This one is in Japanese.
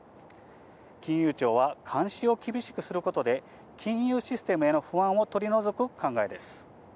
金融庁は監視を厳しくすることで、金融システムへの不安を取り除く考えです。